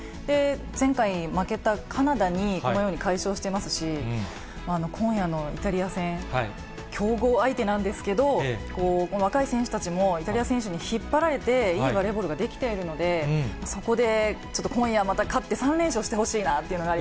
前回負けたカナダに、このように快勝してますし、今夜のイタリア戦、強豪相手なんですけど、若い選手たちもイタリア選手に引っ張られて、いいバレーボールができているので、そこでちょっと今夜また勝って、３連勝してほしいなというのがあ